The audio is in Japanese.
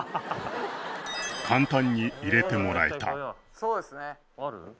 簡単に入れてもらえたある？